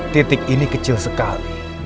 titik ini kecil sekali